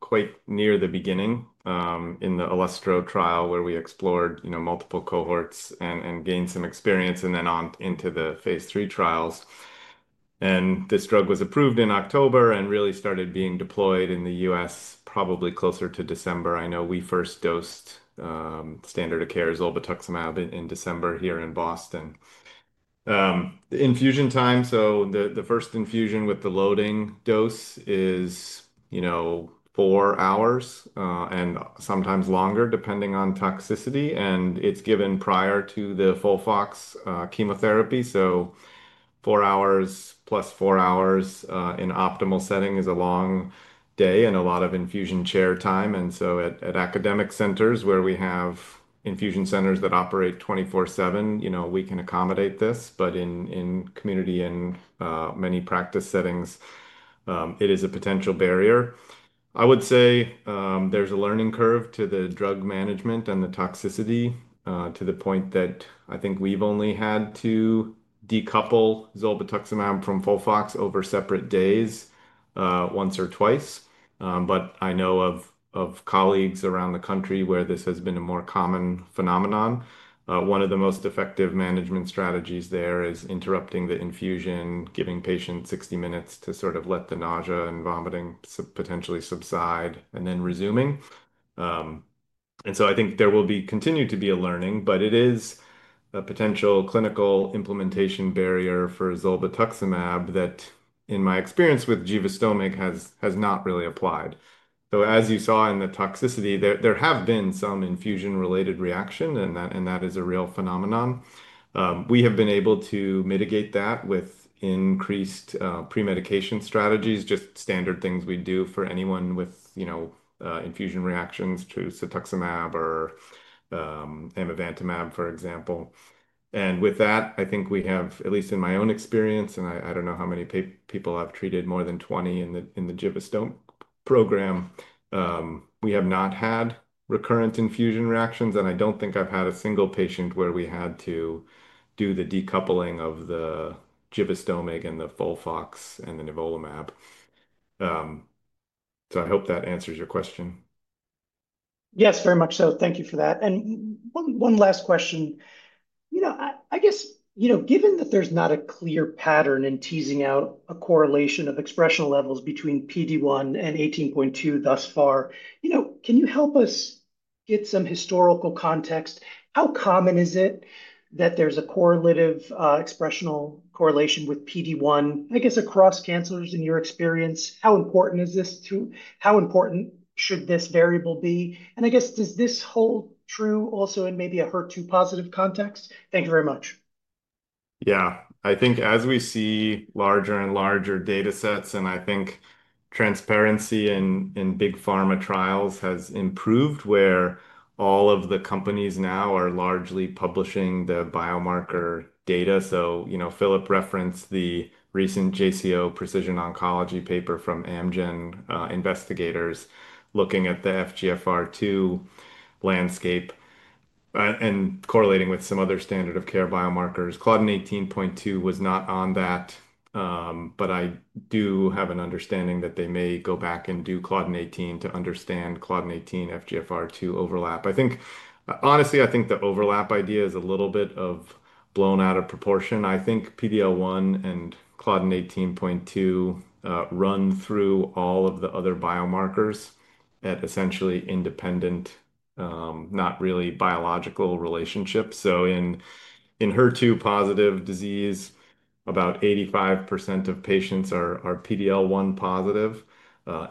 D: quite near the beginning in the Alastro trial where we explored multiple cohorts and gained some experience and then on into the phase three trials. This drug was approved in October and really started being deployed in the U.S. probably closer to December. I know we first dosed standard of care zolbituximab in December here in Boston. The infusion time, the first infusion with the loading dose is four hours and sometimes longer, depending on toxicity. It's given prior to the FOLFOX chemotherapy. Four hours plus four hours in optimal setting is a long day and a lot of infusion chair time. At academic centers where we have infusion centers that operate 24/7, we can accommodate this. In community and many practice settings, it is a potential barrier. I would say there's a learning curve to the drug management and the toxicity to the point that I think we've only had to decouple zolbituximab from FOLFOX over separate days once or twice. I know of colleagues around the country where this has been a more common phenomenon. One of the most effective management strategies is interrupting the infusion, giving patients 60 minutes to let the nausea and vomiting potentially subside and then resuming. I think there will continue to be a learning, but it is a potential clinical implementation barrier for zolbituximab that, in my experience with Givastomig, has not really applied. As you saw in the toxicity, there have been some infusion-related reactions, and that is a real phenomenon. We have been able to mitigate that with increased premedication strategies, just standard things we do for anyone with infusion reactions to cetuximab or imivantamab, for example. With that, I think we have, at least in my own experience, and I don't know how many people I've treated, more than 20 in the Givastomig program, we have not had recurrent infusion reactions. I don't think I've had a single patient where we had to do the decoupling of the Givastomig and the FOLFOX and the nivolumab. I hope that answers your question.
F: Yes, very much so. Thank you for that. One last question. Given that there's not a clear pattern in teasing out a correlation of expression levels between PD-1 and 18.2 thus far, can you help us get some historical context? How common is it that there's a correlative expression correlation with PD-1 across cancers in your experience? How important is this? How important should this variable be? Does this hold true also in maybe a HER2 positive context? Thank you very much.
D: Yeah, I think as we see larger and larger data sets, and I think transparency in big pharma trials has improved where all of the companies now are largely publishing the biomarker data. Phillip referenced the recent JCO Precision Oncology paper from Amgen investigators looking at the FGFR2 landscape and correlating with some other standard of care biomarkers. Claudin 18.2 was not on that, but I do have an understanding that they may go back and do claudin 18 to understand claudin 18 FGFR2 overlap. Honestly, I think the overlap idea is a little bit blown out of proportion. I think PD-L1 and claudin 18.2 run through all of the other biomarkers at essentially independent, not really biological relationships. In HER2 positive disease, about 85% of patients are PD-L1 positive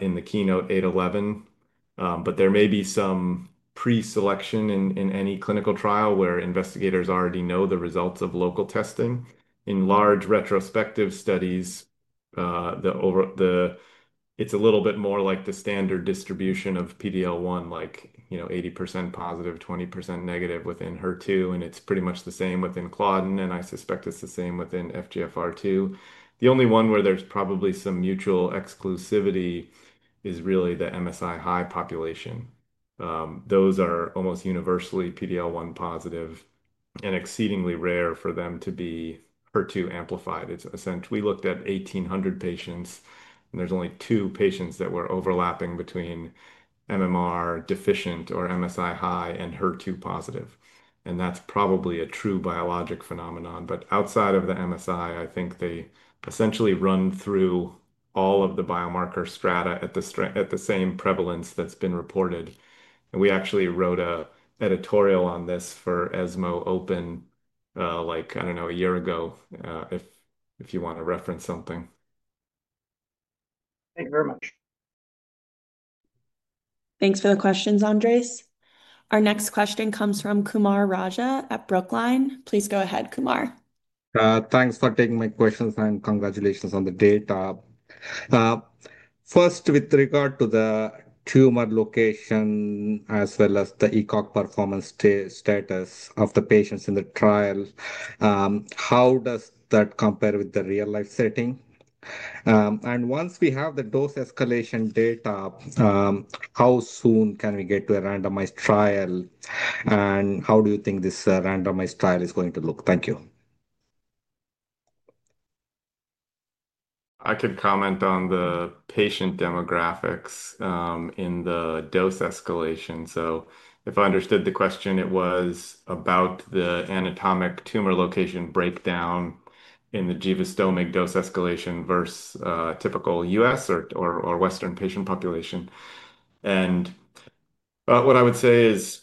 D: in the KEYNOTE-811. There may be some pre-selection in any clinical trial where investigators already know the results of local testing. In large retrospective studies, it's a little bit more like the standard distribution of PD-L1, like 80% positive, 20% negative within HER2. It's pretty much the same within claudin. I suspect it's the same within FGFR2. The only one where there's probably some mutual exclusivity is really the MSI high population. Those are almost universally PD-L1 positive and exceedingly rare for them to be HER2 amplified. We looked at 1,800 patients, and there's only two patients that were overlapping between MMR deficient or MSI high and HER2 positive. That's probably a true biologic phenomenon. Outside of the MSI, I think they essentially run through all of the biomarker strata at the same prevalence that's been reported. We actually wrote an editorial on this for ESMO Open, like, I don't know, a year ago, if you want to reference something.
F: Thank you very much.
A: Thanks for the questions, Andres. Our next question comes from Kumar Raja at Brookline. Please go ahead, Kumar.
G: Thanks for taking my questions and congratulations on the data. First, with regard to the tumor location as well as the ECOG performance status of the patients in the trial, how does that compare with the real-life setting? Once we have the dose escalation data, how soon can we get to a randomized trial? How do you think this randomized trial is going to look? Thank you.
D: I can comment on the patient demographics in the dose escalation. If I understood the question, it was about the anatomic tumor location breakdown in the Givastomig dose escalation versus typical U.S. or Western patient population. What I would say is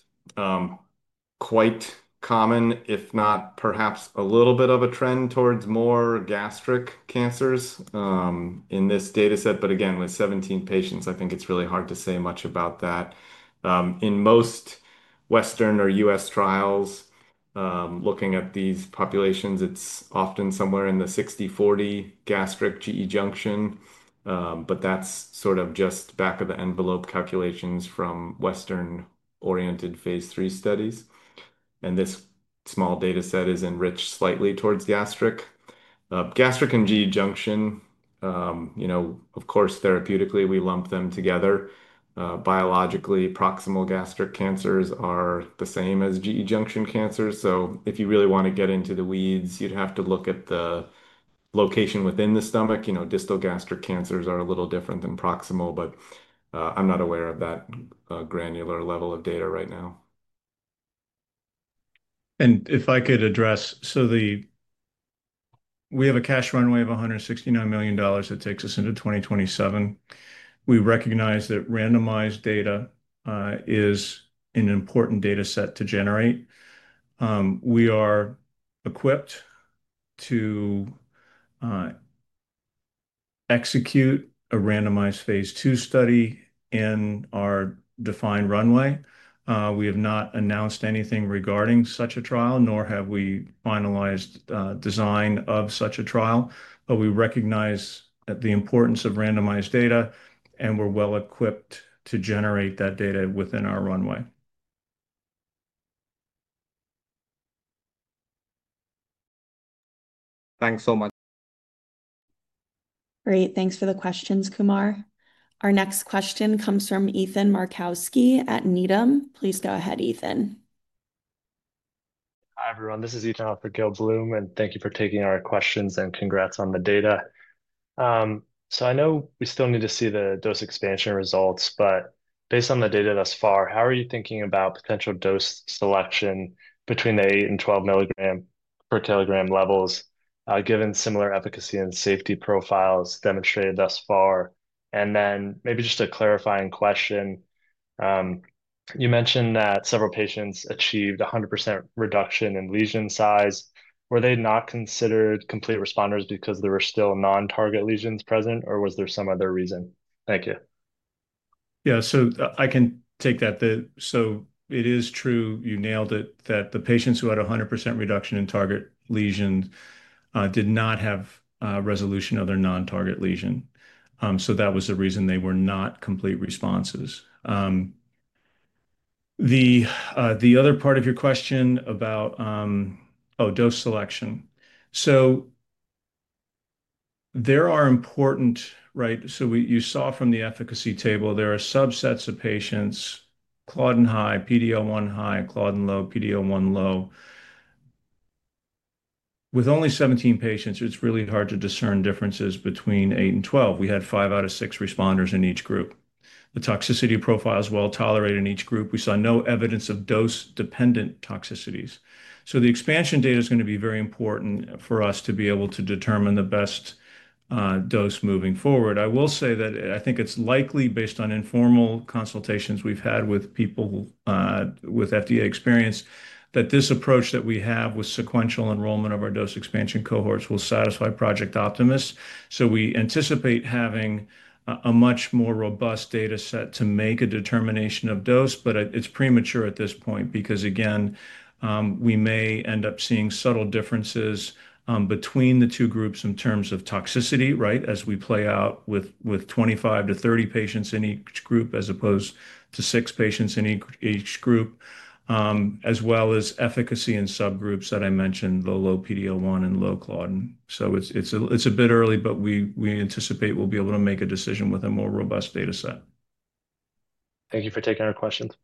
D: quite common, if not perhaps a little bit of a trend towards more gastric cancers in this data set. With 17 patients, I think it's really hard to say much about that. In most Western or U.S. trials, looking at these populations, it's often somewhere in the 60/40 gastric GE junction. That's sort of just back of the envelope calculations from Western-oriented phase III studies. This small data set is enriched slightly towards gastric. Gastric and GE junction, you know, of course, therapeutically, we lump them together. Biologically, proximal gastric cancers are the same as GE junction cancers. If you really want to get into the weeds, you'd have to look at the location within the stomach. Distal gastric cancers are a little different than proximal, but I'm not aware of that granular level of data right now.
C: We have a cash runway of $169 million that takes us into 2027. We recognize that randomized data is an important data set to generate. We are equipped to execute a randomized phase II study in our defined runway. We have not announced anything regarding such a trial, nor have we finalized the design of such a trial. We recognize the importance of randomized data, and we're well equipped to generate that data within our runway.
G: Thanks so much.
A: Great. Thanks for the questions, Kumar. Our next question comes from Ethan Markowski at Needham. Please go ahead, Ethan.
H: Hi, everyone. This is Ethan off of Gail Bloom, and thank you for taking our questions and congrats on the data. I know we still need to see the dose expansion results, but based on the data thus far, how are you thinking about potential dose selection between the 8 mg and 12 mg per kilogram levels, given similar efficacy and safety profiles demonstrated thus far? Maybe just a clarifying question. You mentioned that several patients achieved 100% reduction in lesion size. Were they not considered complete responders because there were still non-target lesions present, or was there some other reason? Thank you.
C: Yeah, I can take that. It is true, you nailed it, that the patients who had 100% reduction in target lesions did not have resolution of their non-target lesion. That was the reason they were not complete responses. The other part of your question about dose selection, there are important, right? You saw from the efficacy table, there are subsets of patients, claudin high, PD-L1 high, claudin low, PD-L1 low. With only 17 patients, it's really hard to discern differences between 8 mg and 12 mg. We had five out of six responders in each group. The toxicity profile is well tolerated in each group. We saw no evidence of dose-dependent toxicities. The expansion data is going to be very important for us to be able to determine the best dose moving forward. I will say that I think it's likely, based on informal consultations we've had with people with FDA experience, that this approach that we have with sequential enrollment of our dose expansion cohorts will satisfy Project Optimist. We anticipate having a much more robust data set to make a determination of dose, but it's premature at this point because, again, we may end up seeing subtle differences between the two groups in terms of toxicity, right, as we play out with 25 patients-30 patients in each group as opposed to six patients in each group, as well as efficacy in subgroups that I mentioned, the low PD-L1 and low claudin. It's a bit early, but we anticipate we'll be able to make a decision with a more robust data set.
H: Thank you for taking our questions.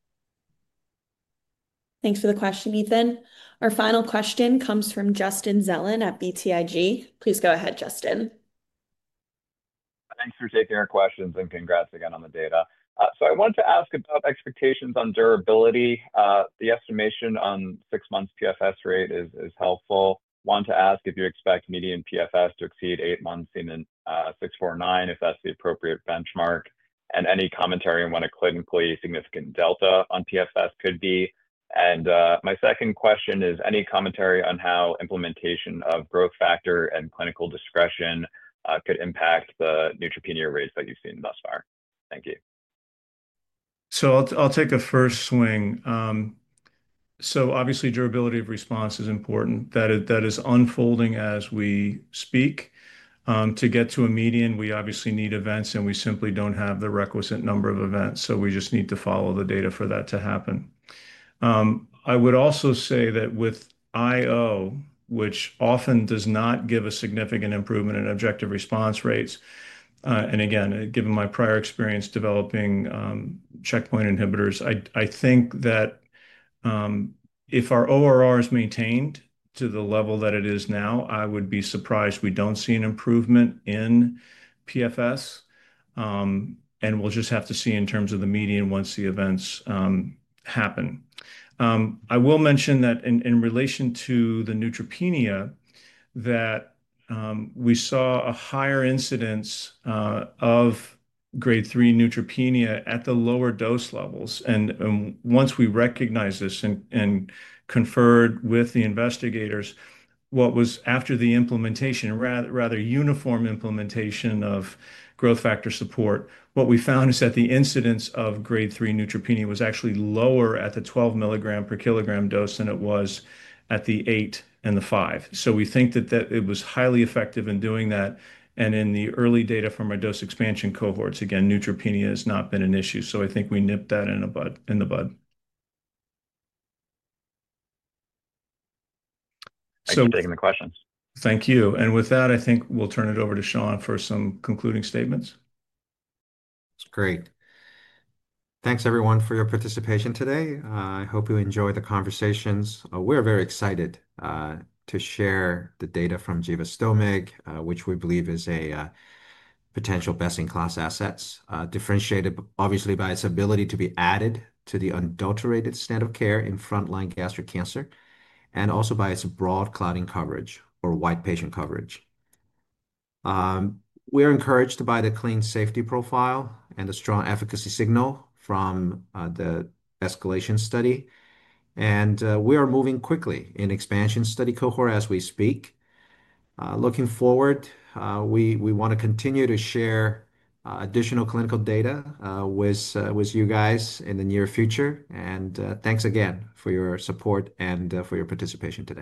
A: Thanks for the question, Ethan. Our final question comes from Justin Zelen at BTIG. Please go ahead, Justin.
I: Thanks for taking our questions and congrats again on the data. I want to ask about expectations on durability. The estimation on six months PFS rate is helpful. I want to ask if you expect median PFS to exceed eight months in CheckMate 649, if that's the appropriate benchmark, and any commentary on what a clinically significant delta on PFS could be. My second question is, any commentary on how implementation of growth factor and clinical discretion could impact the neutropenia rates that you've seen thus far? Thank you.
C: I'll take a first swing. Obviously, durability of response is important. That is unfolding as we speak. To get to a median, we obviously need events, and we simply don't have the requisite number of events. We just need to follow the data for that to happen. I would also say that with IO, which often does not give a significant improvement in objective response rates, and again, given my prior experience developing checkpoint inhibitors, I think that if our ORR is maintained to the level that it is now, I would be surprised we don't see an improvement in PFS. We'll just have to see in terms of the median once the events happen. I will mention that in relation to the neutropenia, we saw a higher incidence of grade 3 neutropenia at the lower dose levels. Once we recognized this and conferred with the investigators, after the implementation, rather uniform implementation of growth factor support, what we found is that the incidence of grade 3 neutropenia was actually lower at the 12 milligram per kilogram dose than it was at the 8 mg and the 5 mg. We think that it was highly effective in doing that. In the early data from our dose expansion cohorts, again, neutropenia has not been an issue. I think we nipped that in the bud.
H: Thank you for taking the question.
C: Thank you. With that, I think we'll turn it over to Sean for some concluding statements.
B: Great. Thanks, everyone, for your participation today. I hope you enjoyed the conversations. We're very excited to share the data from Givastomig, which we believe is a potential best-in-class asset, differentiated obviously by its ability to be added to the undiluted standard of care in frontline metastatic gastric cancer and also by its broad claudin 18.2 coverage or wide patient coverage. We are encouraged by the clean safety profile and the strong efficacy signal from the escalation study. We are moving quickly in the expansion cohort as we speak. Looking forward, we want to continue to share additional clinical data with you guys in the near future. Thanks again for your support and for your participation today.